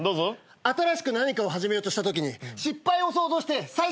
新しく何かを始めようとしたときに失敗を想像して最初の一歩が踏み出せません。